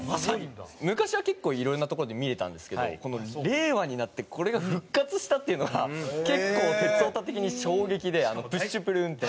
昔は結構いろいろな所で見れたんですけど令和になってこれが復活したっていうのが結構鉄オタ的に衝撃でプッシュプル運転。